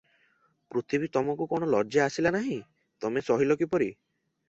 ପୃଥିବୀ ତମକୁ କଣ ଲଜ୍ଜା ଆସିଲା ନାହିଁ, ତମେ ସହିଲ କିପରି?